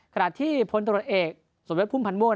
ขนาดที่พลตรวจเอกสมเวศภูมิพันธ์ม่วน